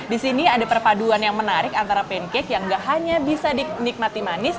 di sini ada perpaduan yang menarik antara pancake yang gak hanya bisa dinikmati manis